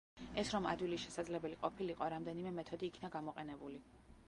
ეს რომ ადვილი შესაძლებელი ყოფილიყო, რამდენიმე მეთოდი იქნა გამოყენებული.